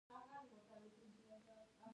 ایا تاسو د اختر په ورځ یاست؟